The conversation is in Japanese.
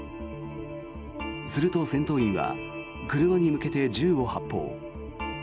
すると戦闘員は車に向けて銃を発砲。